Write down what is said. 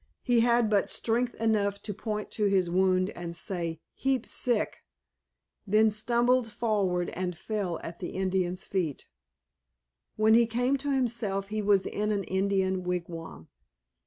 He had but strength enough to point to his wound, to say "Heap sick," then stumbled forward and fell at the Indian's feet. When he came to himself he was in an Indian wig wam.